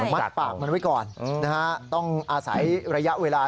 มัดปากมันไว้ก่อนนะฮะต้องอาศัยระยะเวลา